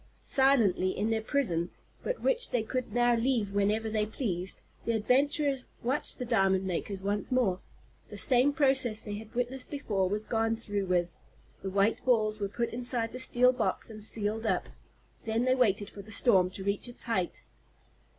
Silently, in their prison, but which they could now leave whenever they pleased, the adventurers watched the diamond makers once more. The same process they had witnessed before was gone through with. The white balls were put inside the steel box and sealed up. Then they waited for the storm to reach its height.